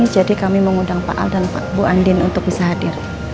jadi kami mengundang pak al dan bu andien untuk bisa hadir